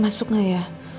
masuk gak ya